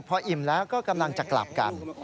พออิ่มแล้วก็กำลังจะกลับกัน